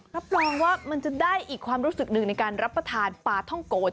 รับรองว่ามันจะได้อีกความรู้สึกหนึ่งในการรับประทานปลาท่องโกด